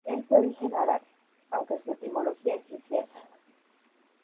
Es de origen árabe, aunque su etimología es incierta.